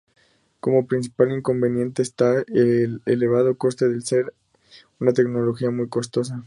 Como principal inconveniente está el elevado coste al ser una tecnología muy costosa.